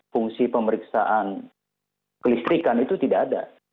fungsi pemeriksaan kelistrikan itu tidak ada